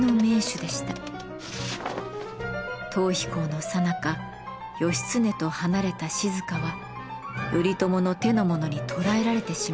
逃避行のさなか義経と離れた静は頼朝の手の者に捕らえられてしまいます。